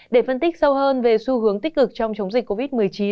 để phân tích sâu hơn về xu hướng tích cực trong chống dịch covid một mươi chín